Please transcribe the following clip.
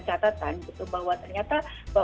catatan bahwa ternyata